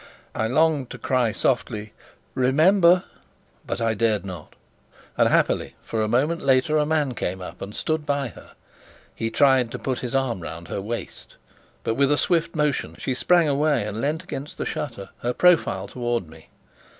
I longed to cry softly, "Remember!" but I dared not and happily, for a moment later a man came up and stood by her. He tried to put his arm round her waist, but with a swift motion she sprang away and leant against the shutter, her profile towards me.